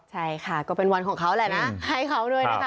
ใช่ค่ะก็เป็นวันของเขาแหละนะให้เขาด้วยนะคะ